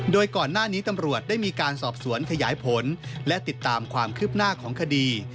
โดยก่อนหน้านี้ตำรวจได้มีการสอบสวนขยายผลและติดตามความคืบหน้าของคดี